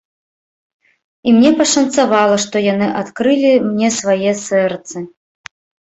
І мне пашанцавала, што яны адкрылі мне свае сэрцы.